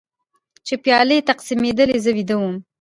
چې پیالې تقسیمېدلې زه ویده وم.